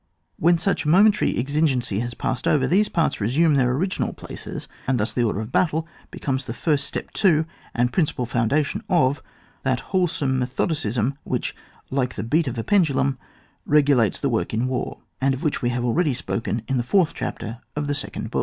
When such momentary exigency has passed over, these parts resume their original place, and thus the order of battle becomes the first step to, and principal foundation of, that wholesome methodicism which, like the beat of a pendulum, regulates the work in war, and of which we have already spoken in the fourth chapter of the Second Book.